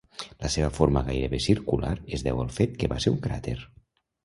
La seva forma gairebé circular es deu al fet que va ser un cràter.